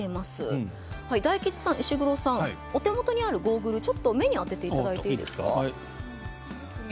大吉さん、石黒さんお手元にあるゴーグル目に当てていただいていいですか。